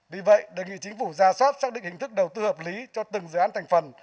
vì vậy đề nghị chính phủ ra soát xác định hình thức đầu tư hợp lý cho từng dự án thành phần